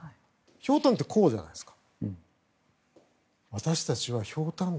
ひょうたんってこうじゃないですか。